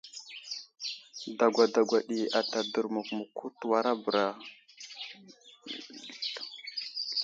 Dagwa dagwa ɗi ata dərmuk muku təwara bəra slunzi.